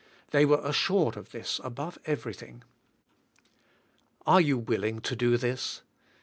They were assured of this above every thing". Are you willing to do this?